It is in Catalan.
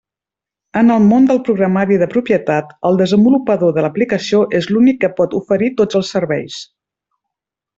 En el món del programari de propietat, el desenvolupador de l'aplicació és l'únic que pot oferir tots els serveis.